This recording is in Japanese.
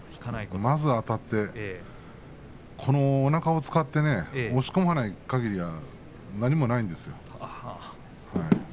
まずあたって、このおなかを使って押し込まないかぎり何もないんですよ。